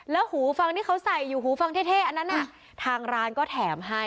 แล้วหูฟังที่เขาใส่อยู่หูฟังเท่อันนั้นน่ะทางร้านก็แถมให้